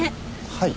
はい。